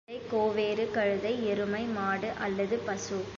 ஒட்டகம், குதிரை, கோவேறு கழுதை, எருமை, மாடு அல்லது பசு